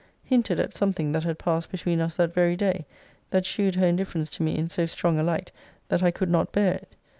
Hinted at something that had passed between us that very day, that shewed her indifference to me in so strong a light, that I could not bear it.